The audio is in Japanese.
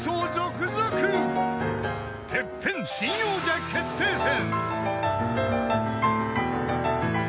［『ＴＥＰＰＥＮ』新王者決定戦］